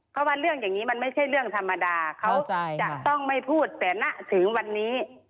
เพราะว่าเรื่องอย่างนี้มันไม่ใช่เรื่องธรรมดาเขาจะต้องไม่พูดแต่นะถึงวันนี้